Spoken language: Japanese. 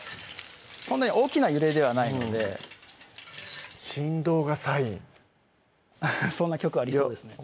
そんなに大きな揺れではないので振動がサインそんな曲ありそうですね